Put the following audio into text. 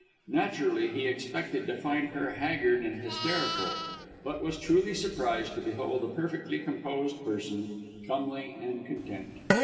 Naturally, he expected to find her haggard and hysterical, but was truly surprised to behold a perfectly composed person, comely and content.